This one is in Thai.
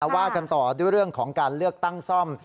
ว่ากันต่อด้วยเรื่องของการเลือกตั้งซ่อม